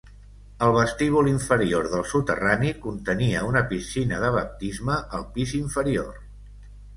El vestíbul inferior del soterrani contenia una piscina de baptisme al pis inferior.